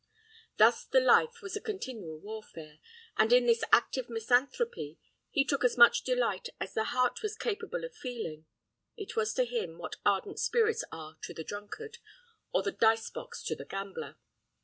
Thus his life was a continual warfare, and in this active misanthropy he took as much delight as his heart was capable of feeling. It was to him what ardent spirits are to the drunkard, or the dice box to the gambler.